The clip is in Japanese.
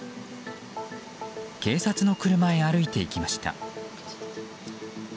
警察の車へ歩いていきました。